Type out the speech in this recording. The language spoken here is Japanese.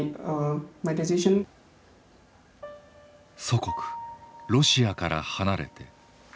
祖国ロシアから離れて。